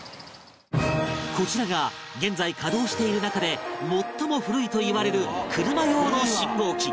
こちらが現在稼働している中で最も古いといわれる車用の信号機